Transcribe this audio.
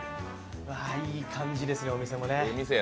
いい感じですよ、お店もね。